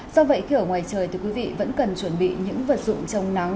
do vậy khi ở ngoài trời thì quý vị vẫn cần chuẩn bị những vật dụng trong nắng